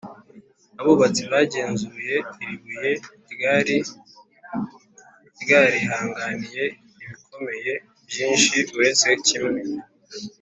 abubatsi bagenzuye iri buye ryari ryarihanganiye ibikomeye byinshi uretse kimwe